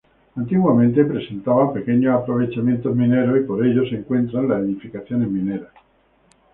Antiguamente presentaba pequeños aprovechamientos mineros y por ello se encuentran las edificaciones mineras.